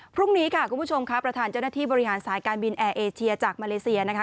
พรุ่งนี้ค่ะคุณผู้ชมค่ะประธานเจ้าหน้าที่บริหารสายการบินแอร์เอเชียจากมาเลเซียนะคะ